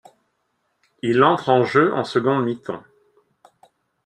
Il entre en jeu en seconde mi-temps.